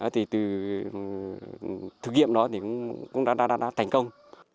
thì từ thử nghiệm đó cũng đã thành công